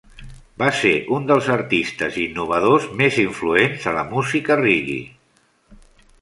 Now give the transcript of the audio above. Va ser un dels artistes i innovadors més influents a la música reggae.